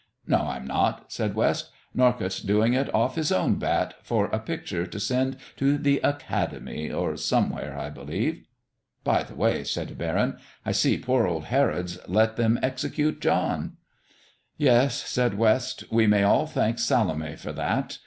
"No, I'm not," said West. "Norcott's doing it off his own bat, for a picture to send to the Academy or somewhere, I believe." "By the way," said Barron, "I see poor old Herod's let them execute John." "Yes," said West, "we may all thank Salome for that.